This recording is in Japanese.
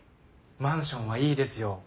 マンションはいいですよ。